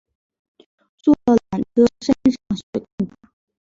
坐了缆车山上雪更大